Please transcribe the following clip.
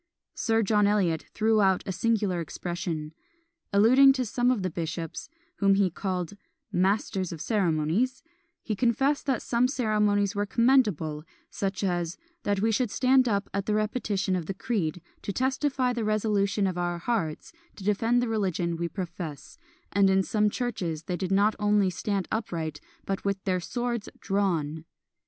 Sir John Eliot threw out a singular expression. Alluding to some of the bishops, whom he called "masters of ceremonies," he confessed that some ceremonies were commendable, such as "that we should stand up at the repetition of the creed, to testify the resolution of our hearts to defend the religion we profess, and in some churches they did not only stand upright, but with their swords drawn."